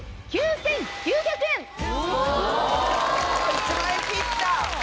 １万円切った！